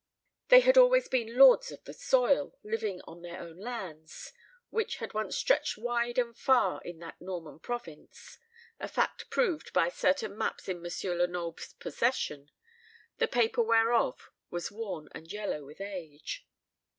They had been always lords of the soil, living on their own lands, which had once stretched wide and far in that Norman province; a fact proved by certain maps in M. Lenoble's possession, the paper whereof was worn and yellow with age.